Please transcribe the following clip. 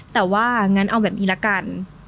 แต่ว่างั้นเอาแบบนี้ละกัน